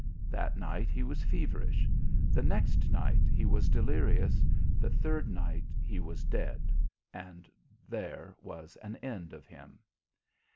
That night he was feverish. The next night he was delirious. The third night he was dead, and there was an end of him.